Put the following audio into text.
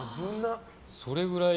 それぐらい。